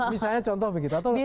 misalnya contoh begitu